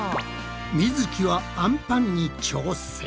みづきはあんぱんに挑戦。